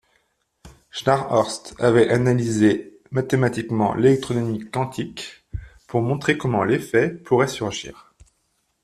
Scharnhorst avait analysé mathématiquement l'électrodynamique quantique pour montrer comment l'effet pourrait surgir.